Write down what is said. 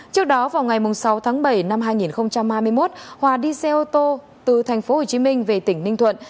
trước đó vào ngày sáu tháng bảy năm hai nghìn hai mươi một hòa đi xe ô tô từ tp hcm về tỉnh ninh thuận